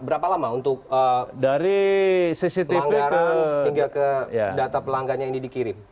berapa lama untuk dari pelanggaran hingga ke data pelanggannya ini dikirim